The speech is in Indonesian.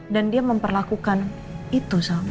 dan dia memperlakukan itu sama mama